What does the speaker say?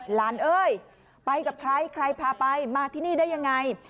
เอ้ยไปกับใครใครพาไปมาที่นี่ได้ยังไง